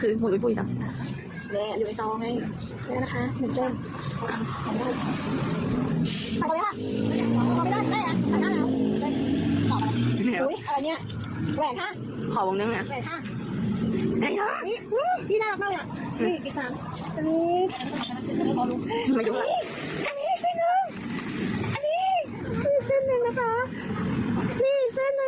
เต้นหนึ่งแล้วค่ะไม่ได้ยินให้เต้นตรงที่เจ้าจริง